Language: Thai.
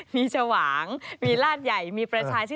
มีชวางมีลาดใหญ่มีประชาธิ